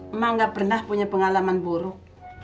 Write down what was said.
emang gak pernah punya pengalaman buruk